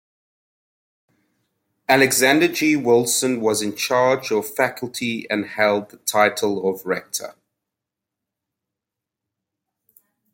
Alexander G. Wilson was in charge of faculty and held the title of rector.